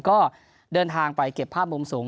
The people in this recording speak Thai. ก็เดินทางไปเก็บภาพมุมสูง